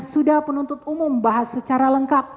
sudah penuntut umum bahas secara lengkap